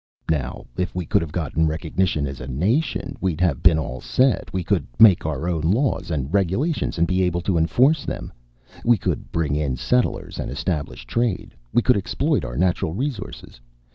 "Now if we could have gotten recognition as a nation, we'd have been all set. We could make our own laws and regulations and be able to enforce them. We could bring in settlers and establish trade. We could exploit our natural resources.